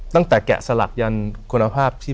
ตั้งแต่แกะสลักยันคุณภาพที่